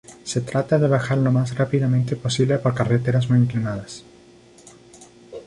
Se trata de bajar lo más rápidamente posible por carreteras muy inclinadas.